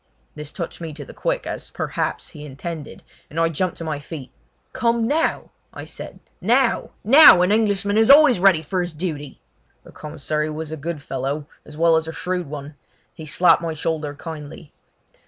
This touched me to the quick, as, perhaps, he intended, and I jumped to my feet. "Come now!" I said; "now! now! An Englishman is always ready for his duty!" The commissary was a good fellow, as well as a shrewd one; he slapped my shoulder kindly.